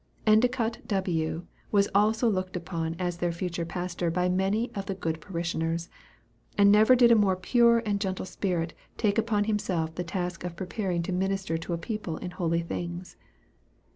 Endicott W. was also looked upon as their future pastor by many of the good parishioners; and never did a more pure and gentle spirit take upon himself the task of preparing to minister to a people in holy things.